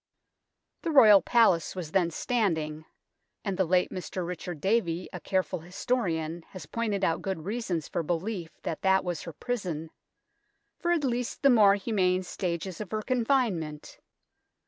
The Royal Palace was then standing, and the late Mr. Richard Davey, a careful historian, has pointed out good reasons for belief that that was her prison, for at least the more humane stages of her confinement.